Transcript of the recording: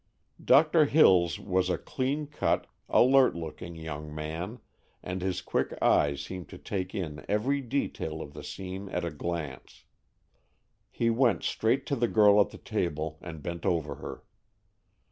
Doctor Hills was a clean cut, alert looking young man, and his quick eyes seemed to take in every detail of the scene at a glance. He went straight to the girl at the table and bent over her.